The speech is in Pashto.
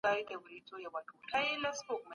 د پانګي دوران هیڅکله په زیان نه دی.